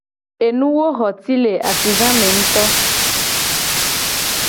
Enuwo xo ci le asigame ngto.